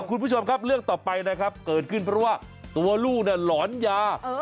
คุณผู้ชมครับเรื่องต่อไปนะครับเกิดขึ้นเพราะว่าตัวลูกหลอนยา